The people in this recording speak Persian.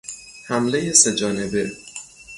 حملهی سه جانبه